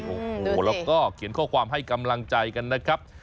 โอ้โหแล้วก็เขียนข้อความให้กำลังใจกันนะครับ